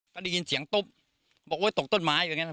ก็ได้ยินเสียงตุ๊บบอกโอ๊ยตกต้นไม้อยู่อย่างนั้น